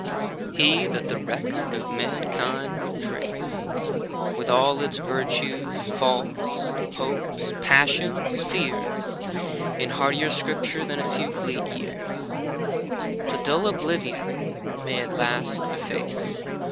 He that the record of mankind would trace, With all its virtues, faults, hopes, passions, fears. In hardier scripture than a few fleet years To dull oblivion may at last efface.